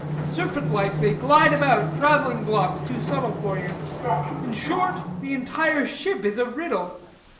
Serpent like, they glide about, traveling blocks too subtle for you. In short, the entire ship is a riddle.